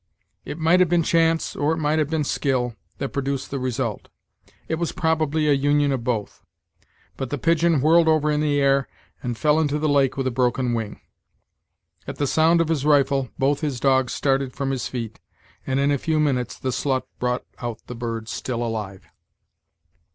It might have been chance, or it might have been skill, that produced the result; it was probably a union of both; but the pigeon whirled over in the air, and fell into the lake with a broken wing At the sound of his rifle, both his dogs started from his feet, and in a few minutes the "slut" brought out the bird, still alive.